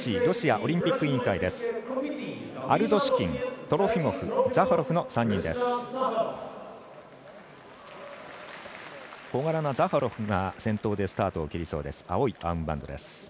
ＲＯＣ＝ロシアオリンピック委員会です。